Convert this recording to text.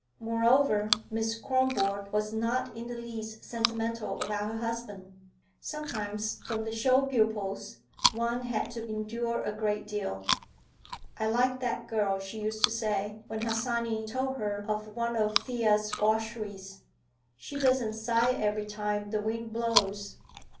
Moreover, Miss Kronborg was not in the least sentimental about her husband. Sometimes from the show pupils one had to endure a good deal. "I like that girl," she used to say, when Harsanyi told her of one of Thea's gaucheries. "She doesn't sigh every time the wind blows.